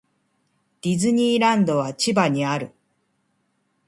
ディズニーランドは千葉にある。